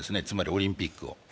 つまりオリンピックを。